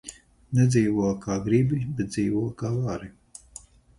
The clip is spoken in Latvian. Nedzīvo, kā gribi, bet dzīvo, kā vari.